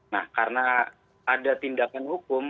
nah karena ada tindakan hukum